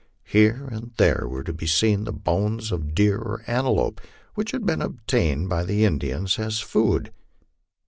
Here and there were to be seen the bones of deer or antelope which had been obtained by the Indians as food.